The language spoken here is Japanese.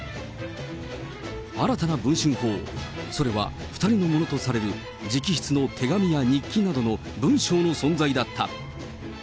新たな文春砲、それは２人のものとされる直筆の手紙や日記などの文章の存在だった。